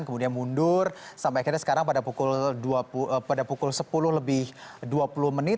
kemudian mundur sampai akhirnya sekarang pada pukul sepuluh lebih dua puluh menit